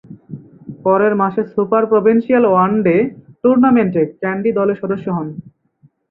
পরের মাসে super provincial one day টুর্নামেন্টে ক্যান্ডি দলের সদস্য হন।